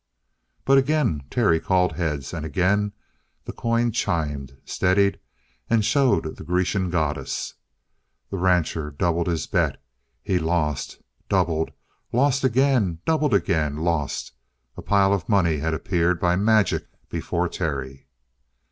But again Terry called heads, and again the coin chimed, steadied, and showed the Grecian goddess. The rancher doubled his bet. He lost, doubled, lost again, doubled again, lost. A pile of money had appeared by magic before Terry.